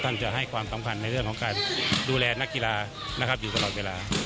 ท่านก็จะให้ความซำพันธ์ในเรื่องของการดูแลนักเกีฬาอยู่ตลอดเวลา